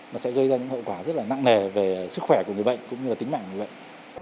mà sẽ gây ra những hậu quả rất nặng nề về sức khỏe của người bệnh cũng như tính mạng người bệnh